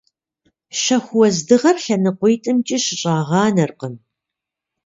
Шэху уэздыгъэр лъэныкъуитӏымкӏи щыщӏагъанэркъым.